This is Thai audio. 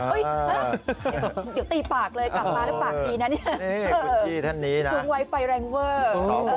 เดี๋ยวตีปากเลยกลับมาแล้วปากตีนะเนี่ยสูงวัยไฟแรงเวิร์ด